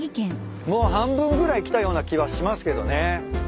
もう半分ぐらい来たような気はしますけどね。